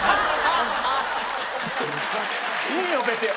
いいよ別に。